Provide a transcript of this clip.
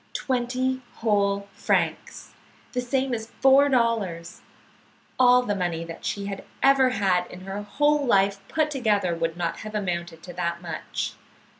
Twenty whole francs! The same as four dollars! All the money that she had ever had in her whole life put together would not have amounted to that much.